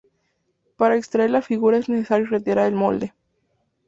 Para extraer la figura es necesario retirar el molde.